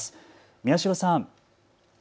宮代さん。